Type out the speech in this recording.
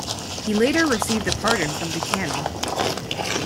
He later received a pardon from Buchanan.